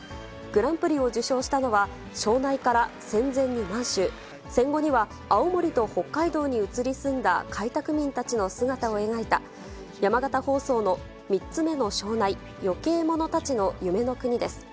グランプリを受賞したのは、庄内から戦前に満州、戦後には、青森と北海道に移り住んだ、開拓民たちの姿を描いた、山形放送の三つめの庄内余計者たちの夢の国です。